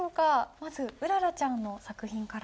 まずうららちゃんの作品から。